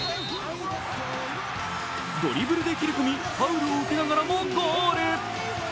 ドリブルで切り込み、ファウルを受けながらもゴール。